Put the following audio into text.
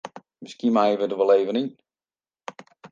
Miskien meie we der wol even yn.